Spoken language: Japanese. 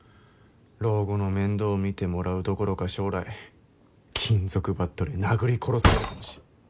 老後の面倒を見てもらうどころか将来金属バットで殴り殺され。